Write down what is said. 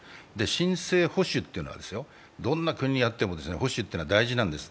新生保守というのはどんな国にあっても保守というのは大事なんです。